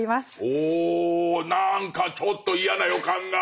おお何かちょっと嫌な予感が。